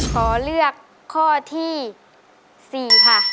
ขอเลือกข้อที่๔ค่ะ